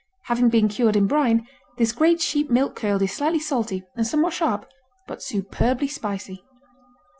Having been cured in brine, this great sheep milk curd is slightly salty and somewhat sharp, but superbly spicy.